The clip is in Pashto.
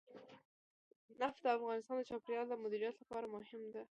نفت د افغانستان د چاپیریال د مدیریت لپاره مهم دي.